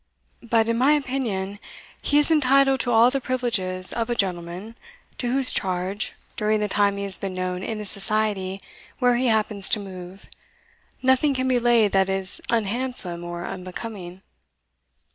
But, in my opinion, he is entitled to all the privileges of a gentleman, to whose charge, during the time he has been known in the society where he happens to move, nothing can be laid that is unhandsome or unbecoming.